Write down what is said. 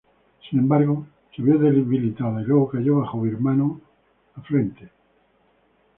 Sin embargo, se vio debilitada y luego cayó bajo birmano afluente.